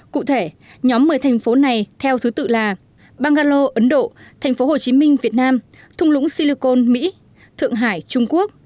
cụ thể nhóm một mươi thành phố này theo thứ tự là banggalo ấn độ thành phố hồ chí minh việt nam thung lũng silicon mỹ thượng hải trung quốc